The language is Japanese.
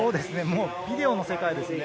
ビデオの世界ですね。